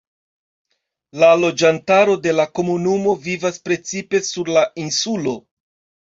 La loĝantaro de la komunumo vivas precipe sur la insulo.